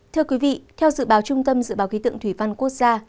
thưa quý vị theo dự báo trung tâm dự báo khí tượng thủy văn quốc gia